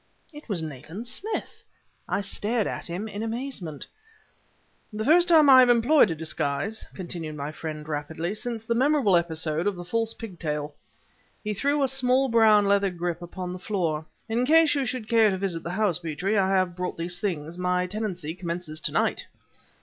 It was Nayland Smith! I stared at him in amazement "The first time I have employed a disguise," continued my friend rapidly, "since the memorable episode of the false pigtail." He threw a small brown leather grip upon the floor. "In case you should care to visit the house, Petrie, I have brought these things. My tenancy commences to night!"